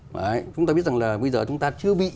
mà chúng ta biết rằng là bây giờ chúng ta chưa bị